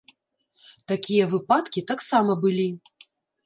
Такія выпадкі таксама былі!